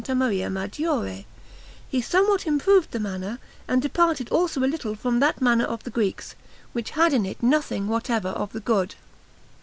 Maria Maggiore, he somewhat improved the manner, and departed also a little from that manner of the Greeks, which had in it nothing whatever of the good.